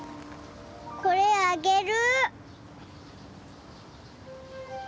これあげる。